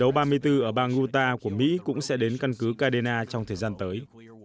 đoàn chiến đấu ba mươi bốn ở bang utah của mỹ cũng sẽ đến căn cứ cadena trong thời gian tới